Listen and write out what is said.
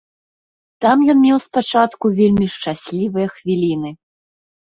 Там ён меў спачатку вельмі шчаслівыя хвіліны.